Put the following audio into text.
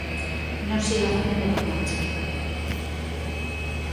Non siga facendo que marchen.